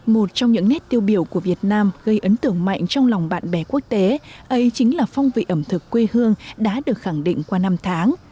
một trong những nét tiêu biểu của việt nam gây ấn tượng mạnh trong lòng bạn bè quốc tế ấy chính là phong vị ẩm thực quê hương đã được khẳng định qua năm tháng